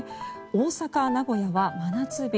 大阪、名古屋は真夏日。